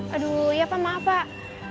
aduh ya pak maaf pak